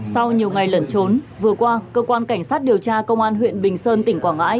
sau nhiều ngày lẩn trốn vừa qua cơ quan cảnh sát điều tra công an huyện bình sơn tỉnh quảng ngãi